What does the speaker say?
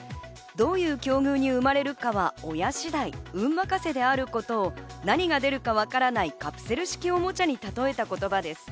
どういう境遇に生まれるかは親次第、運任せであることを何が出るかわからないカプセル式おもちゃに例えた言葉です。